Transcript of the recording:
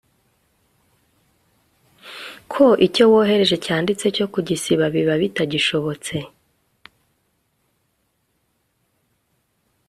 ko icyo wohereje cyanditse cyo kugisiba biba bitagishobotse